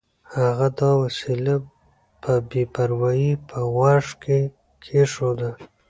هغه دا وسیله په بې پروایۍ په غوږو کې کېښوده